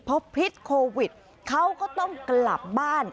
พอพิษโควิดเขาก็ต้องกลับบ้าน